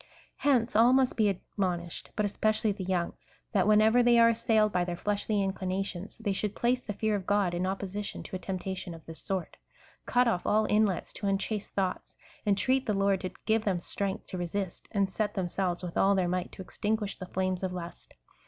Hence all must be admonished, but especially the young, that whenever they are assailed by their fleshly inclinations, they should place the fear of God in opposition to a tempta tion of this sort, cut ofl" all inlets to unchaste thoughts, en treat the Lord to give them strength to resist, and set them selves with all their might to extinguish the flames of lust.